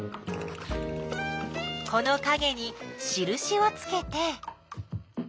このかげにしるしをつけて。